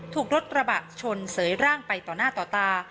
ถูกรถกระบะชนเสยร่างไปต่อหน้าต่อตา